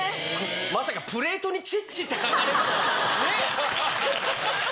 まさかプレートに「ちっち」って書かれるとはねぇ！